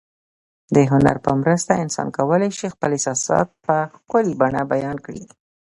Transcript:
د هنر په مرسته انسان کولای شي خپل احساسات په ښکلي بڼه بیان کړي.